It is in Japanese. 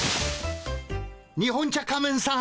日本茶仮面さん！